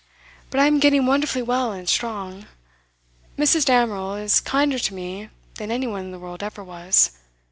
But I am getting wonderfully well and strong. Mrs. Damerel is kinder to me than any one in the world ever was.